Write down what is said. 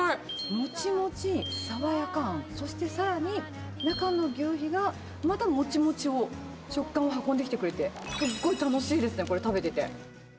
もちもち、爽やかあん、そしてさらに、中のぎゅうひがまたもちもちを、食感を運んできてくれて、すっごい楽しいですね、これ、食べてて。